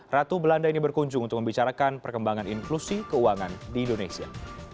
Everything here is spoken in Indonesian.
ratu belanda ini berkunjung untuk membicarakan perkembangan inklusi keuangan di indonesia